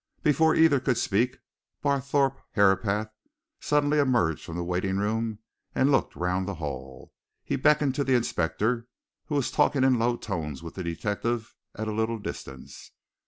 Before either could speak Barthorpe Herapath suddenly emerged from the waiting room and looked round the hall. He beckoned to the inspector, who was talking in low tones with the detective, at a little distance.